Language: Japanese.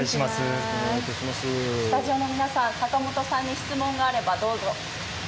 スタジオの皆さん、阪本さんに質問があればどうぞ。